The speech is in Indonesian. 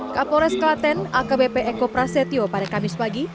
kepala polres klaten akbp eko prasetyo pada kamis pagi